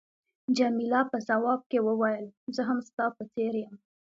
جميله په ځواب کې وویل، زه هم ستا په څېر یم.